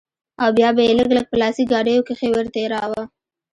او بيا به يې لږ لږ په لاسي ګاډيو کښې ورتېراوه.